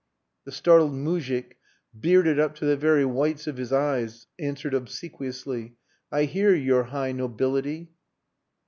The startled moujik, bearded up to the very whites of his eyes, answered obsequiously "I hear, your high Nobility."